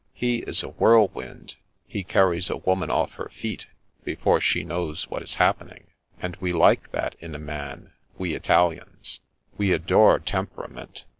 He is a whirlwind ; he carries a woman off her feet, before she knows what is happening, and we like that in a man, we Italians. We adore temperament.